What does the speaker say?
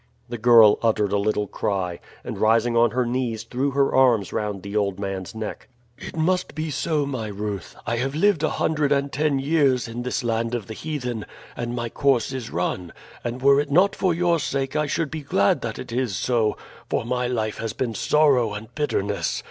The girl uttered a little cry, and rising on her knees threw her arms round the old man's neck. "It must be so, my Ruth. I have lived a hundred and ten years in this land of the heathen, and my course is run; and were it not for your sake I should be glad that it is so, for my life has been sorrow and bitterness.